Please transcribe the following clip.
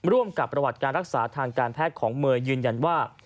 ร่วมกับประวัติการรักษาทางการแพทย์ของเมย์ยืนยันว่า